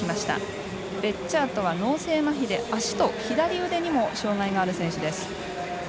ベッジャートは脳性まひで足と左腕にも障がいがある選手です。